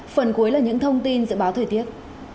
phần cuối là những thông tin dự báo thời tiết